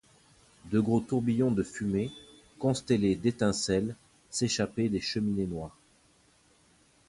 De gros tourbillons de fumée, constellés d’étincelles, s’échappaient des cheminées noires.